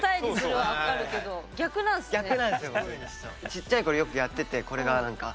ちっちゃい頃よくやっててこれがなんか。